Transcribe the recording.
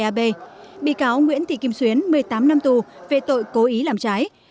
phan văn anh vũ bị cáo nguyễn thị kim xuyến một mươi tám năm tù vì tội cố ý làm trái